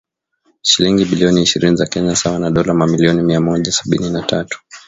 shilingi bilioni ishirini za Kenya sawa na dola milioni mia moja sabini na tatu